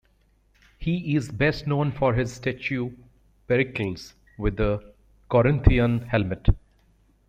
He is best known for his statue Pericles with the Corinthian helmet.